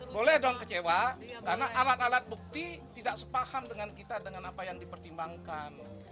boleh dong kecewa karena alat alat bukti tidak sepaham dengan kita dengan apa yang dipertimbangkan